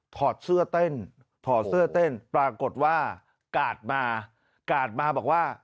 อดเสื้อเต้นถอดเสื้อเต้นปรากฏว่ากาดมากาดมาบอกว่า